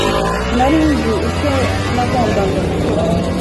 Sinari nzi icyo nagombaga gukora.